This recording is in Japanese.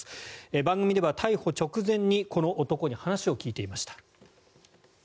番組では逮捕直前にこの男に話を聞いていました。